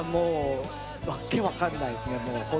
訳分からないですね。